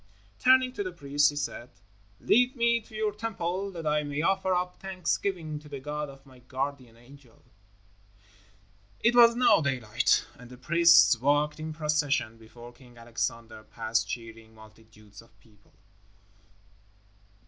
Turning to the priest, he said, "Lead me to your Temple that I may offer up thanksgiving to the God of my guardian angel." It was now daylight, and the priests walked in procession before King Alexander past cheering multitudes of people.